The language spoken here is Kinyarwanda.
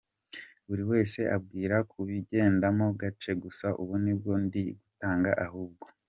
Buri wese ambwira kubigendamo gacye gusa ubu nibwo ndi gutangira ahubwo.